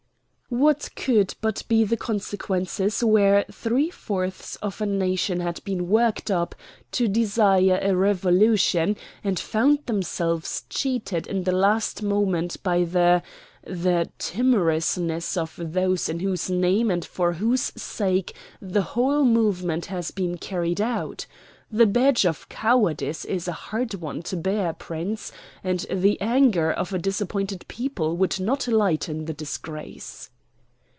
"What could but be the consequences where three fourths of a nation had been worked up to desire a revolution and found themselves cheated at the last moment by the the timorousness of those in whose name and for whose sake the whole movement has been carried out? The badge of cowardice is a hard one to bear, Prince, and the anger of a disappointed people would not lighten the disgrace."